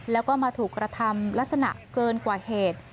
แล้วก็มาถูกกระทำลักษณะเกินกว่าเหตุ